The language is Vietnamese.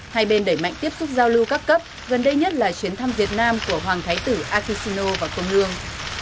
hai bên đẩy mạnh tiếp xúc giao lưu các cấp gần đây nhất là chuyến thăm việt nam của hoàng thái tử akishino và công nương